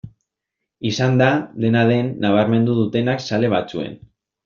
Izan da, dena den, nabarmendu dutenak zale batzuen.